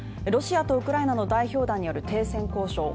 ロシアとウクライナの代表団による停戦交渉